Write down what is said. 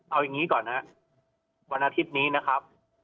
เอาอย่างนี้ก่อนนะครับวันอาทิตย์นี้นะครับ